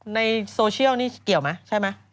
ในโซเชียลนี่เกี่ยวไหมใช่ไหม